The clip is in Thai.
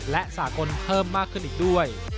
และสากลเพิ่มมากขึ้นอีกด้วย